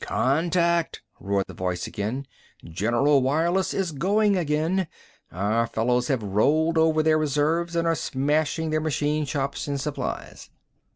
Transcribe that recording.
"Contact!" roared the voice again. "General wireless is going again! Our fellows have rolled over their reserves and are smashing their machine shops and supplies!"